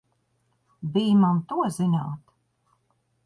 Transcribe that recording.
Bij man to zināt!